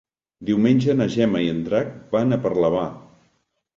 Diumenge na Gemma i en Drac van a Parlavà.